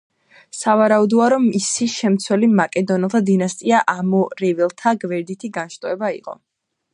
სავარაუდოა, რომ მისი შემცვლელი მაკედონელთა დინასტია ამორეველთა გვერდითი განშტოება იყო.